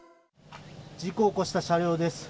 事故を起こした車両です。